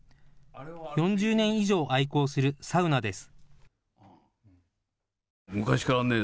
４０年以上愛好するサウナです。